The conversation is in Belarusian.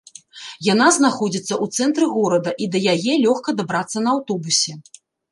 Яна знаходзіцца ў цэнтры горада і да яе лёгка дабрацца на аўтобусе.